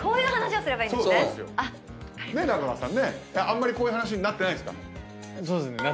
あんまりこういう話になってないんですか？